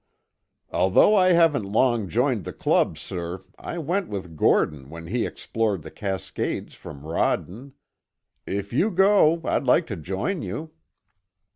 "Although I haven't long joined the club, sir, I went with Gordon when he explored the Cascades from Rawden. If you go, I'd like to join you."